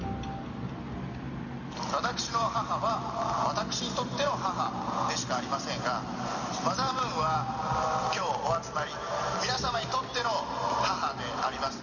私の母は、私にとっての母でしかありませんが、マザームーンは、きょうお集りの皆様にとっての母であります。